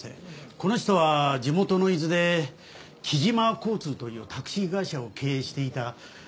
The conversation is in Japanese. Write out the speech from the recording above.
この人は地元の伊豆で木島交通というタクシー会社を経営していた木島定良さんです。